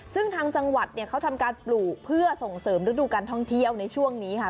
ซึ่งทางจังหวัดเนี่ยเขาทำการปลูกเพื่อส่งเสริมฤดูการท่องเที่ยวในช่วงนี้ค่ะ